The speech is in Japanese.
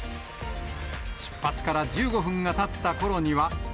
出発から１５分がたったころには。